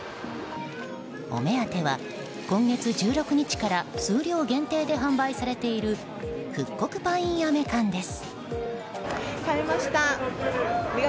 お目当ては今月１６日から数量限定で販売されている復刻パインアメ缶です。